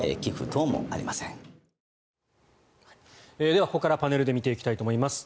では、ここからパネルで見ていきたいと思います。